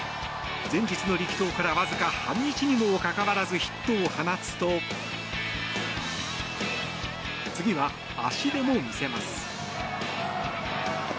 前日の力投からわずか半日にもかかわらずヒットを放つと次は足でも見せます。